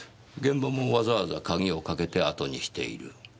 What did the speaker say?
現場もわざわざ鍵をかけて後にしている。